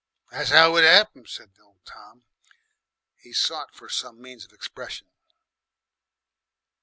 "That's 'ow it 'appened," said old Tom. He sought for some means of expression.